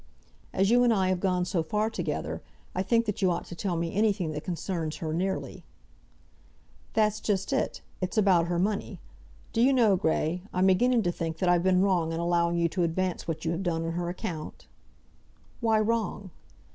"As you and I have gone so far together, I think that you ought to tell me anything that concerns her nearly." "That's just it. It's about her money. Do you know, Grey, I'm beginning to think that I've been wrong in allowing you to advance what you have done on her account?" "Why wrong?"